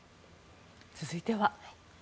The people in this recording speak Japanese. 続いては。